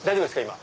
今。